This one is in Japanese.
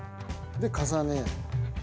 で重ね。